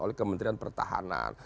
oleh kementerian pertahanan